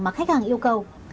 mà khách hàng yêu cầu